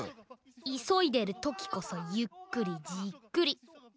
いそいでるときこそゆっくりじっくり。